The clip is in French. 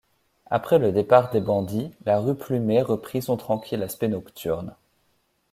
Après le départ des bandits, la rue Plumet reprit son tranquille aspect nocturne.